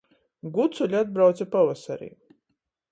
Guculi atbrauce pavasarī.